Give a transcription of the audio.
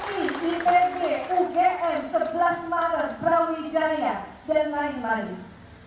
uin itb ugm sebelas maret brawijaya dan lain lain